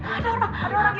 ada orang ada orang din